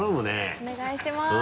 お願いします。